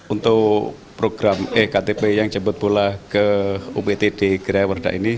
untuk program ektp yang jemput bola ke upt di kerajaan wreda ini